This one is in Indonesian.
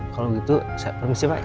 kalau gitu saya permisi pak